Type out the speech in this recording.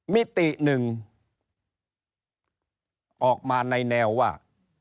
มิติหนึ่งออกมาในแนวว่า